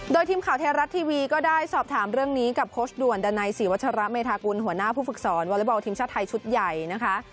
โดยทีมข่าวไทยรัฐทีวีก็ได้สอบถามเรื่องนี้กับโค้ชด่วนดันัยศรีวัชระเมธากุลหัวหน้าผู้ฝึกสอนวอเล็กบอลทีมชาติไทยชุดใหญ่นะคะ